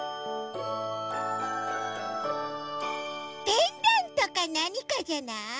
ペンダントかなにかじゃない？